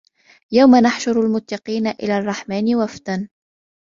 يَوْمَ نَحْشُرُ الْمُتَّقِينَ إِلَى الرَّحْمَنِ وَفْدًا